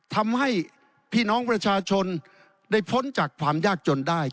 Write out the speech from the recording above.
ทำให้พี่น้องประชาชนได้พ้นจากความยากจนได้